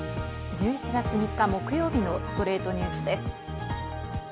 １１月３日、木曜日の『ストレイトニュース』です。